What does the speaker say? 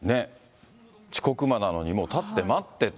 遅刻魔なのにもう立って待ってて。